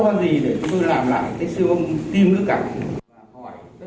không có thở